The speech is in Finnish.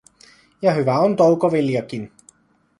Ja hyvä on toukoviljakin.